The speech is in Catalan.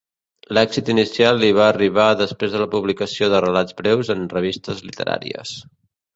L'èxit inicial li va arribar després de la publicació de relats breus en revistes literàries.